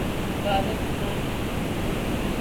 Bavê min li malê ye.